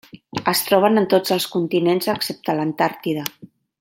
Es troben en tots els continents excepte l'Antàrtida.